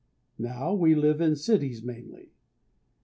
Now we live in cities mainly.